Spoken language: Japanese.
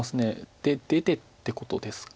で出てってことですか。